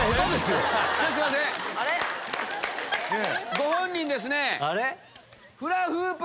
ご本人ですね。